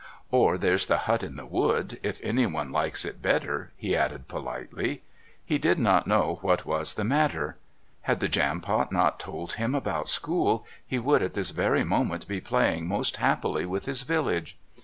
"Or there's the hut in the wood if anyone likes it better," he added politely. He did not know what was the matter. Had the Jampot not told him about school he would at this very moment be playing most happily with his village.